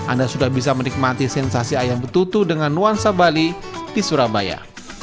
anda sudah bisa menikmati sensasi ayam betutu dengan nuansa bali di surabaya